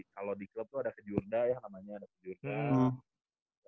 kalau di klub tuh ada kejurda ya namanya ada kejurda